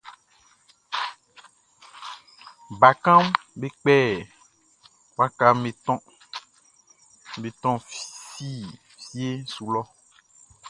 Bakanʼm be kpɛ waka be tɔn si fie su lɔ.